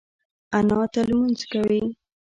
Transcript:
انا تل لمونځ کوي